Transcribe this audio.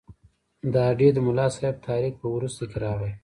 د هډې د ملاصاحب تحریک په وروسته کې راغی.